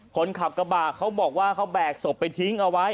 คนขับกระบะเขาบอกว่าเขาแบกศพไปทิ้งเอาไว้